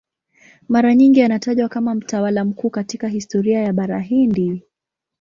Mara nyingi anatajwa kama mtawala mkuu katika historia ya Bara Hindi.